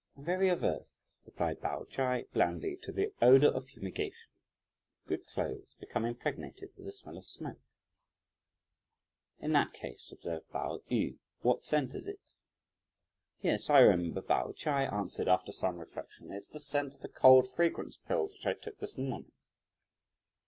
"I'm very averse," replied Pao Ch'ai blandly, "to the odour of fumigation; good clothes become impregnated with the smell of smoke." "In that case," observed Pao yü, "what scent is it?" "Yes, I remember," Pao Ch'ai answered, after some reflection; "it's the scent of the 'cold fragrance' pills which I took this morning."